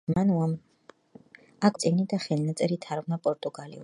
აქ მოღვაწეობისას, მან უამრავი წიგნი და ხელნაწერი თარგმნა პორტუგალიურად.